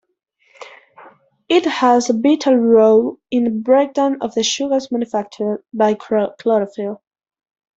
It has a vital role in the breakdown of the sugars manufactured by chlorophyll.